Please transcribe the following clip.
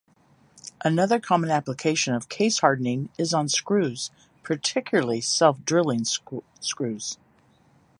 Another common application of case-hardening is on screws, particularly self-drilling screws.